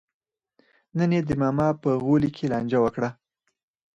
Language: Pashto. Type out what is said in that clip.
نن یې د ماما په غولي کې لانجه وکړه.